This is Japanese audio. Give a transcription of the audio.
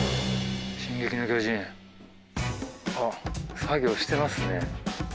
あっ作業してますね。